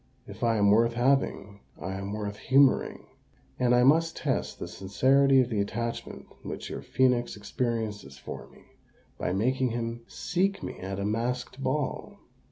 "If I am worth having, I am worth humouring; and I must test the sincerity of the attachment which your phœnix experiences for me, by making him seek me at a masked ball."